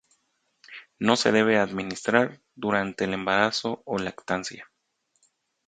No se debe administrar durante el embarazo o lactancia.